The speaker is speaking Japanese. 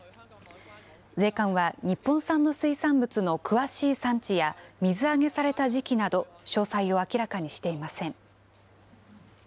税関は日本産の水産物の詳しい産地や水揚げされた時期など、詳細を明らかにしていません。